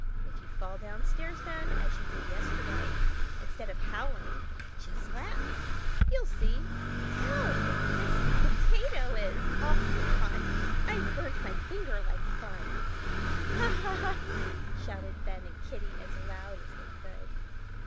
If you fall down stairs, Ben, as you did yesterday, instead of howling, just laugh! You'll see—ow! this potato is awfully hot. I've burned my finger like fun." "Ha! ha! ha!" shouted Ben and Kitty, as loud as they could.